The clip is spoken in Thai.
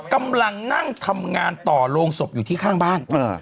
กำลังนั่งทำงานต่อโรงศพอยู่ที่ข้างบ้าน